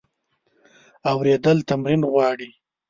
اورېدل تمرین غواړي.